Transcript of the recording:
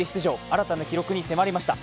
新たな記録に迫りました。